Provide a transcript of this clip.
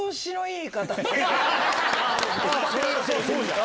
そうじゃん！